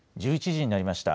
１１時になりました。